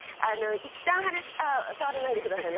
いったん話あっ触らないでくださいね。